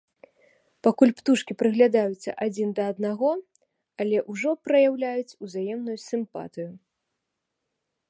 Пакуль птушкі прыглядаюцца адзін да аднаго, але ўжо праяўляюць узаемную сімпатыю.